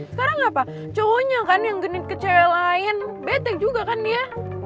sekarang gapapa cowonya kan yang genit ke cewek lain bete juga kan dia